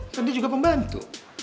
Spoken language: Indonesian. kan dia juga pembantu